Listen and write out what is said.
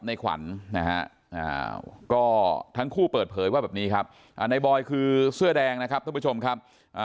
ในขวัญนะฮะก็ทั้งคู่เปิดเผยว่าแบบนี้ครับในบอยคือเสื้อแดงนะครับท่านผู้ชมครับ